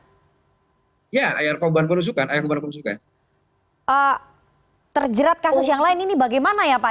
oh ya ayah korban penusukan ayah korban penusukan terjerat kasus yang lain ini bagaimana ya pak